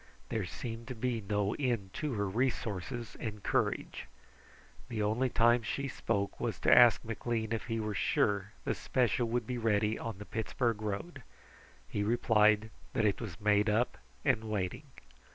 There seemed to be no end to her resources and courage. The only time she spoke was to ask McLean if he were sure the special would be ready on the Pittsburgh road. He replied that it was made up and waiting.